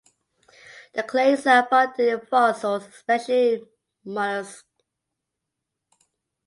The clay is abundant in fossils, especially molluscs.